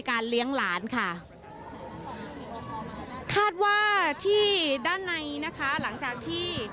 เลี้ยงหลานค่ะคาดว่าที่ด้านในนะคะหลังจากที่